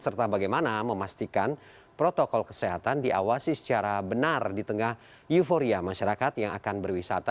serta bagaimana memastikan protokol kesehatan diawasi secara benar di tengah euforia masyarakat yang akan berwisata